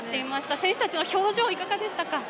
選手たちの表情、いかがでしたか？